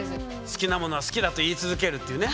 好きなものは好きだと言い続けるっていうね。